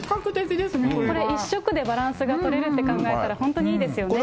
これ、１食でバランスが取れるって考えたら、本当にいいですよね。